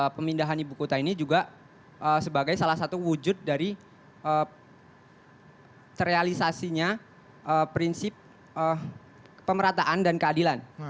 pemindahan ibu kota ini juga sebagai salah satu wujud dari terrealisasinya prinsip pemerataan dan keadilan